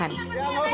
ya nggak usah jalan